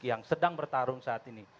yang sedang bertarung saat ini